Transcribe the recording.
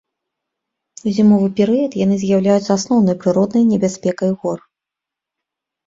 У зімовы перыяд яны з'яўляюцца асноўнай прыроднай небяспекай гор.